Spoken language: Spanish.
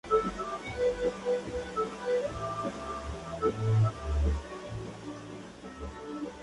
El alumnado trabaja en varios encuentros anuales bajo la dirección de diferentes directores.